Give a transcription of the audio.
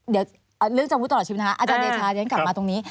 เดี๋ยวเรื่องจำวุธตลอดชีวิตนะคะอาจารย์เดชาเรียนกลับมาตรงนี้